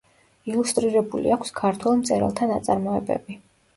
ილუსტრირებული აქვს ქართველ მწერალთა ნაწარმოებები.